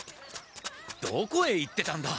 どこへ行ってたんだ？